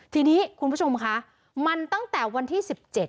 ทีนี้คุณผู้ชมคะมันตั้งแต่วันที่๑๗